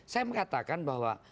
saya mengatakan bahwa